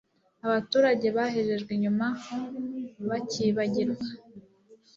abaturage bahejejwe inyuma bakibagirwa